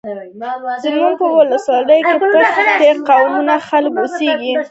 زموږ په ولس کې پښتۍ پښتۍ قومونه خلک اوسېږيږ